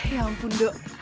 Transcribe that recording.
ya ampun do